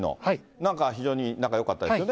なんか非常に仲よかったですよね。